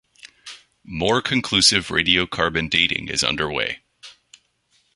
More conclusive radiocarbon dating is under way.